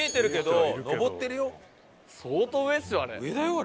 相当上ですよあれ。